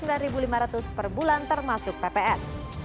berlangganan rp empat puluh sembilan lima ratus per bulan termasuk ppn